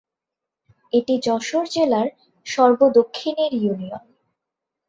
এটি যশোর জেলার সর্ব দক্ষিণের ইউনিয়ন।